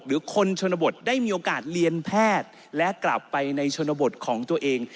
หรือคนชนบทได้มีโอกาสเรียนแพทย์และกลับไปในชนบทของตัวเอง